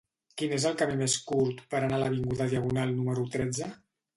Quin és el camí més curt per anar a l'avinguda Diagonal número tretze?